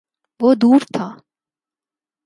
وہ دور تھا۔